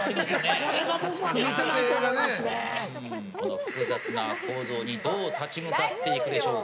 複雑な構造にどう立ち向かっていくでしょうか。